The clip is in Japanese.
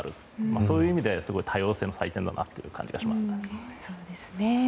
そういう意味ですごい多様性の祭典だなという感じがします。